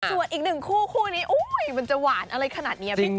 ส่วนอีกหนึ่งคู่นี้อุ๊ยมันจะหวานอะไรขนาดนี้อ่ะพี่แจ๊ง